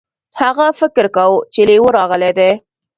هغه فکر کاوه چې لیوه راغلی دی.